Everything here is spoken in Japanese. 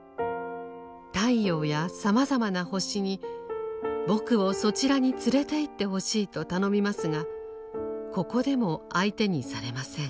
太陽やさまざまな星に「僕をそちらに連れて行ってほしい」と頼みますがここでも相手にされません。